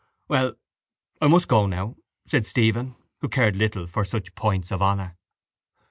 —Well, I must go now, said Stephen, who cared little for such points of honour.